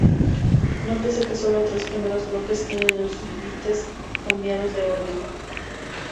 Nótese que sólo los tres primeros bloques tienen sus bytes cambiados de orden.